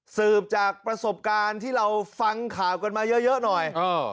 สืบจากประสบการณ์ที่เราฟังข่าวกันมาเยอะหน่อย